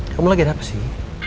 kamu lagi ada apa sih